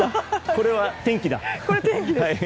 これは天気だ。